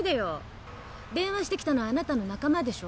電話してきたのはあなたの仲間でしょ？